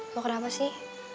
lo kenapa sih